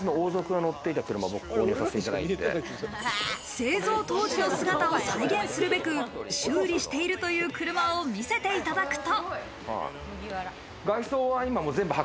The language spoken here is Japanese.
製造当時の姿を再現するべく修理しているという車を見せていただくと。